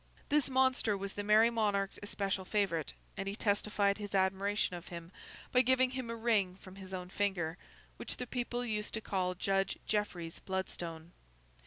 This monster was the Merry Monarch's especial favourite, and he testified his admiration of him by giving him a ring from his own finger, which the people used to call Judge Jeffreys's Bloodstone.